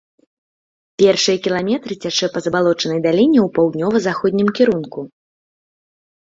Першыя кіламетры цячэ па забалочанай даліне ў паўднёва-заходнім кірунку.